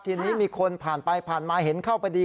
ทีนี้มีคนผ่านไปผ่านมาเห็นเข้าพอดี